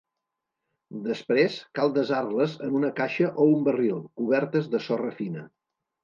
Després cal desar-les en una caixa o un barril, cobertes de sorra fina.